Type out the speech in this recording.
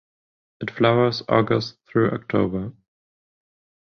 It flowers August through October.